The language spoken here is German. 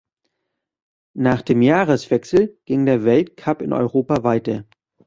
Nach dem Jahreswechsel ging der Weltcup in Europa weiter.